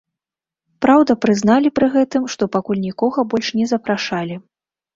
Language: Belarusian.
Праўда прызналі пры гэтым, што пакуль нікога больш не запрашалі.